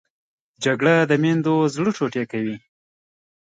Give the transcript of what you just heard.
جګړه د میندو زړه ټوټې کوي